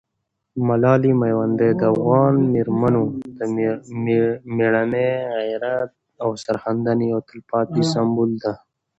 ملالۍ میوندۍ د افغان مېرمنو د مېړانې، غیرت او سرښندنې یو تلپاتې سمبول ده.